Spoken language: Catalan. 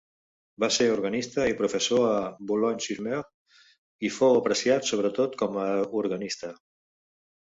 Va ser organista i professor a Boulogne-sur-Mer, i fou apreciat sobre tot coma organista.